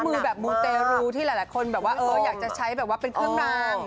ข้อมือแบบมูเตรูที่หลายคนอยากจะใช้เป็นเครื่องด่าง